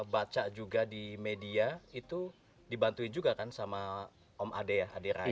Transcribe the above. baca juga di media itu dibantuin juga kan sama om ade ya adirai